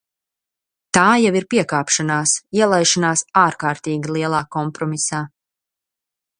Tā jau ir piekāpšanās, ielaišanās ārkārtīgi lielā kompromisā.